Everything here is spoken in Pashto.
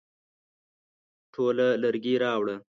ټوله لرګي راوړه ؟